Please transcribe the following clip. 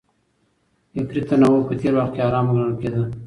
فکري تنوع په تېر وخت کي حرامه ګڼل کېده.